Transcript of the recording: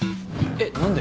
えっ何で？